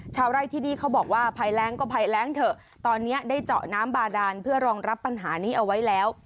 ชาวไร่ที่นี่เขาบอกว่าภัยแรงก็ภัยแรงเถอะตอนนี้ได้เจาะน้ำบาดานเพื่อรองรับปัญหานี้เอาไว้แล้ว